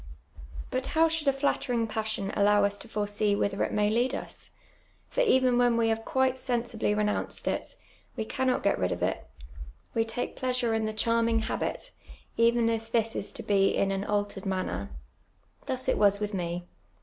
liut how should a flattering; pa.ssion allow us to foresee whither it may lead us ? For even when we have quite sen sibly renounced it, we cannot ^et rid of it ; we take jjleasure in tlie charmin«j; habit, even if this is to be in an altered manner. Thus it was with me.